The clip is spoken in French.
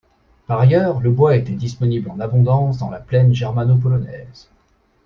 Par ailleurs, le bois était disponible en abondance dans la plaine germano-polonaise.